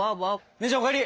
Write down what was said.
姉ちゃんお帰り！